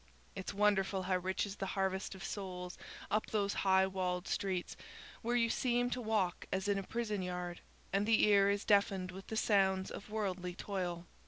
It's wonderful how rich is the harvest of souls up those high walled streets, where you seemed to walk as in a prison yard, and the ear is deafened with the sounds of worldly toil.